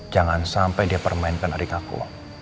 jangan sampai dia permainkan adik aku